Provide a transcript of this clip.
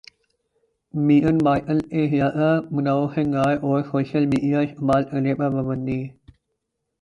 میگھن Markle کے زیادہ بنائو سنگھار اور سوشل میڈیا استعمال کرنے پر پابندی